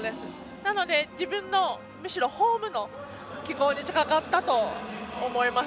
なので自分の、むしろホームの気候に近かったと思います。